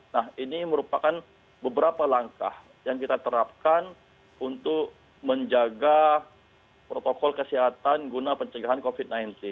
nah ini merupakan beberapa langkah yang kita terapkan untuk menjaga protokol kesehatan guna pencegahan covid sembilan belas